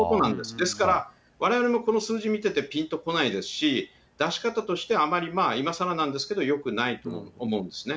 ですから、われわれもこの数字見ててぴんとこないですし、出し方としてあまり、いまさらなんですけど、よくないと思うんですね。